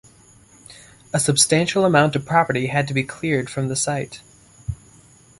A substantial amount of property had to be cleared from the site.